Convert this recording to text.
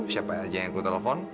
siapa aja yang aku telpon